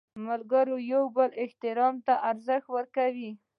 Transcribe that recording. ملګری د یو بل احترام ته ارزښت ورکوي